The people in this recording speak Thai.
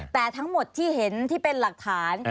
แต่ทั้งหมดที่เห็นที่เป็นหลักฐาน